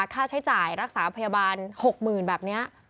ค่าใช้จ่ายรักษาพยาบาล๖๐๐๐แบบนี้